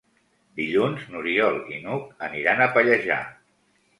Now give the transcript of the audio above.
Dilluns n'Oriol i n'Hug aniran a Pallejà.